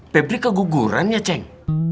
bebir keguguran ya ceng